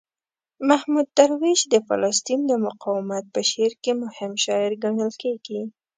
محمود درویش د فلسطین د مقاومت په شعر کې مهم شاعر ګڼل کیږي.